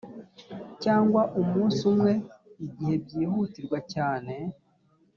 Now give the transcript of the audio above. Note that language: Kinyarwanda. cyangwa umunsi umwe igihe byihutirwa cyane